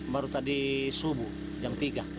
baru tadi subuh jam tiga